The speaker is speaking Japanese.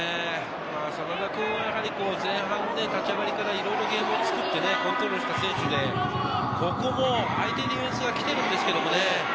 真田君は前半立ち上がりからいろいろゲームを作ってコントロールした選手で、ここも相手ディフェンスが来てるんですけどね。